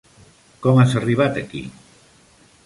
Com has arribat aquí?